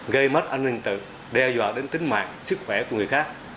gây mất an ninh tự đe dọa đến tính mạng sức khỏe của người khác